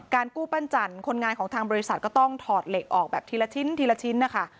กู้ปั้นจันทร์คนงานของทางบริษัทก็ต้องถอดเหล็กออกแบบทีละชิ้นทีละชิ้นนะคะ